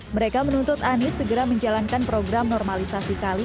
mereka menuntut anies segera menjalankan program normalisasi kali